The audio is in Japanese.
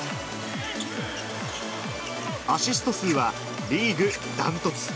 アシスト数はリーグ断トツ。